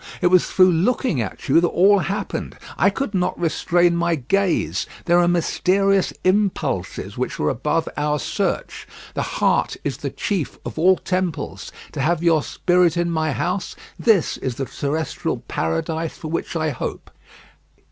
It was through looking at you that all happened. I could not restrain my gaze. There are mysterious impulses which are above our search. The heart is the chief of all temples. To have your spirit in my house this is the terrestrial paradise for which I hope.